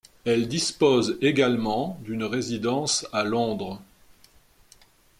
Elle dispose également d'une résidence à Londres.